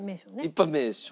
一般名称。